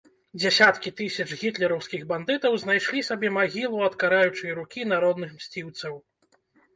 Дзесяткі тысяч гітлераўскіх бандытаў знайшлі сабе магілу ад караючай рукі народных мсціўцаў.